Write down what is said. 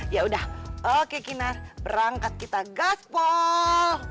yaudah oke kinar berangkat kita gaspol